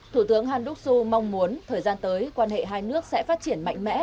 thủ tướng han đắc xu mong muốn thời gian tới quan hệ hai nước sẽ phát triển mạnh mẽ